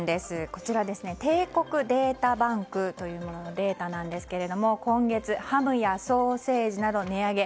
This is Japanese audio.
こちら帝国データバンクというもののデータなんですが今月、ハムやソーセージなど値上げ。